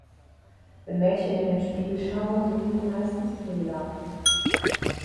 Wenn Mädchen in den Spiegel schauen, suchen sie meistens Fehler.